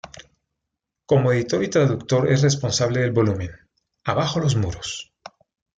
Como editor y traductor es responsable del volumen "¡Abajo los muros!